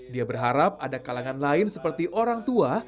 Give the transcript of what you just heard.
dia berharap ada kalangan lain seperti orang tua